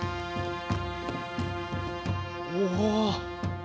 おお。